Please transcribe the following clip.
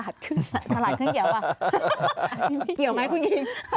ฉลาดขึ้นเกี่ยวไหมคุณกิ๊ม